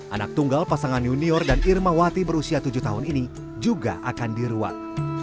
anak tunggal pasangan junior dan irmawati berusia tujuh tahun ini juga akan diruat